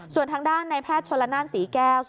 ส่วนทางด้านในแพทย์ชนละนานศรีแก้ว